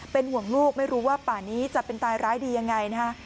เป็นห่วงลูกไม่รู้ว่าป่านี้จะเป็นตายร้ายดียังไงนะฮะ